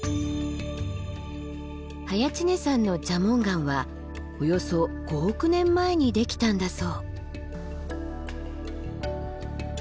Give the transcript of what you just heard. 早池峰山の蛇紋岩はおよそ５億年前にできたんだそう。